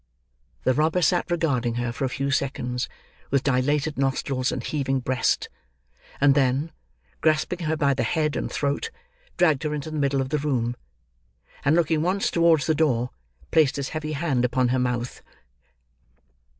The robber sat regarding her, for a few seconds, with dilated nostrils and heaving breast; and then, grasping her by the head and throat, dragged her into the middle of the room, and looking once towards the door, placed his heavy hand upon her mouth.